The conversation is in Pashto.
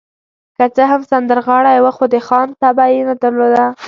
که څه هم سندرغاړی و، خو د خان طبع يې درلوده.